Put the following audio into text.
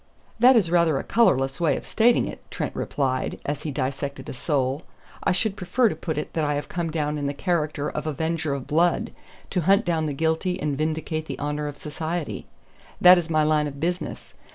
"That is rather a colorless way of stating it," Trent replied, as he dissected a sole. "I should prefer to put it that I have come down in the character of avenger of blood, to hunt down the guilty and vindicate the honor of society. That is my line of business.